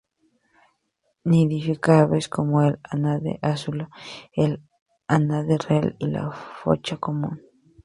Nidifican aves como el ánade azulón, el ánade real y la focha común.